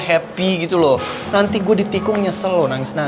sampai jumpa di video selanjutnya